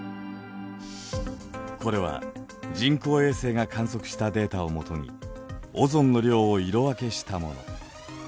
これは人工衛星が観測したデータを基にオゾンの量を色分けしたもの。